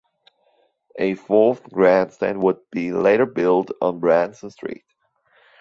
A fourth grandstand would be later built on Brandsen street.